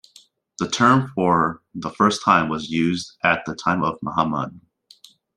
The term for the first time was used at the time of Muhammad.